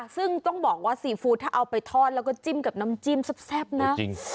ซึ่งต้องบอกว่าซีฟู้ดถ้าเอาไปทอดแล้วก็จิ้มกับน้ำจิ้มแซ่บนะจริง